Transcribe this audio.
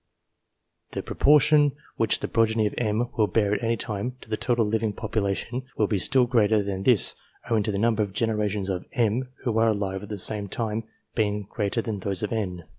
The proportion which the progeny of M will bear at any NATURAL ABILITY OF NATIONS 341 time, to the total living population, will be still _grgater than this, owing to the number of generations of M who are alive at the same time, being greater than those of N.